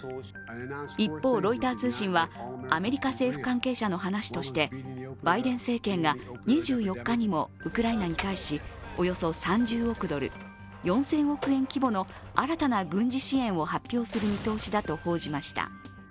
一方、ロイター通信はアメリカ政府関係者の話としてバイデン政権が２４日にもウクライナに対し、およそ３０億ドル４０００億円規模の新たな軍事支援を発表する見通しだと報じました。